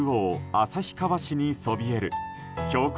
旭川市にそびえる標高